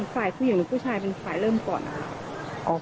ฝ่ายผู้หญิงหรือผู้ชายเป็นฝ่ายเริ่มก่อนนะคะ